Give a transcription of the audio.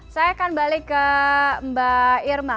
saya akan balik ke mbak irma